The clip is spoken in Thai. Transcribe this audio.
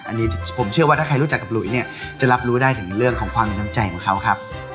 อันนี้ผมเชื่อว่าถ้าใครรู้จักกับหลุยเนี่ยจะรับรู้ได้ถึงเรื่องของความน้ำใจของเขาครับ